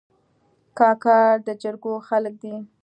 کاکړ د جرګو خلک دي.